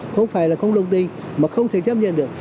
không phải là không được tin mà không thể chấp nhận được